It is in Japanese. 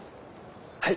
はい。